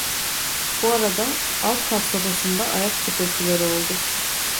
Bu arada alt kat sofasında ayak tıpırtıları oldu.